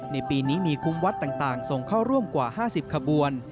ในปีนี้มีคุ้มวัดต่างส่งเข้าร่วมกว่า๕๐ขบวน